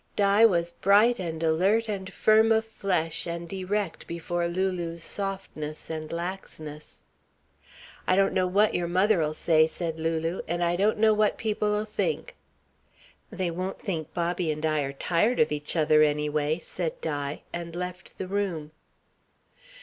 Di was bright and alert and firm of flesh and erect before Lulu's softness and laxness. "I don't know what your mother'll say," said Lulu, "and I don't know what people'll think." "They won't think Bobby and I are tired of each other, anyway," said Di, and left the room.